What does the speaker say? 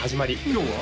今日は？